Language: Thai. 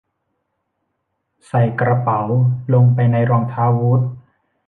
ใส่กระเป๋าลงไปในรองเท้าบูท